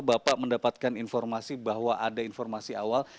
bapak mendapatkan informasi bahwa ada informasi awal